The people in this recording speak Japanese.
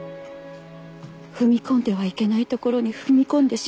踏み込んではいけないところに踏み込んでしまった。